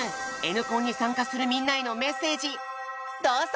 Ｎコンに参加するみんなへのメッセージどうぞ！